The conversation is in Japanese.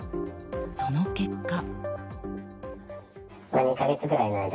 その結果。